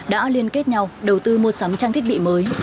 đã liên kết nhau đầu tư mua sắm trang thiết bị mới